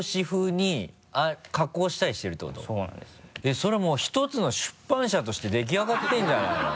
それはもう１つの出版社としてできあがってるんじゃないの？